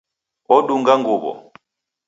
Odunga nguw'o